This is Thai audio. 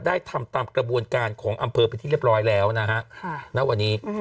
ทำตามกระบวนการของอำเภอเป็นที่เรียบร้อยแล้วนะฮะณวันนี้